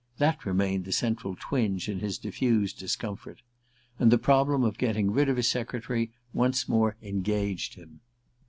That remained the central twinge in his diffused discomfort. And the problem of getting rid of his secretary once more engaged him.